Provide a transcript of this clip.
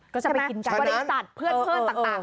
ก็จะไปกินจักรวริสัตว์เพื่อนต่าง